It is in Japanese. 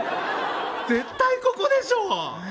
絶対ここでしょ！